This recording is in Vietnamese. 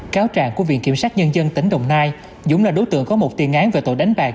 cáo trạng của viện kiểm sát nhân dân tỉnh đồng nai dũng là đối tượng có một tiền án về tội đánh bạc